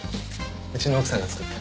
うちの奥さんが作った。